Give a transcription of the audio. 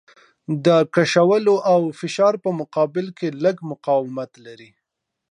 د کشولو او فشار په مقابل کې لږ مقاومت لري.